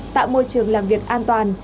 tạo môi trường làm việc an toàn